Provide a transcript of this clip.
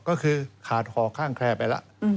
ก็คือขาดห่อข้างแคร์ไปแล้ว